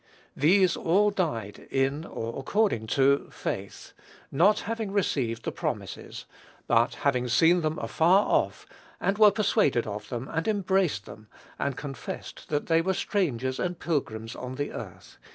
"These all died in (or according to) faith, ([Greek: kata pistin]) not having received the promises, but having seen them afar off, and were persuaded of them, and embraced them, and confessed that they were strangers and pilgrims on the earth."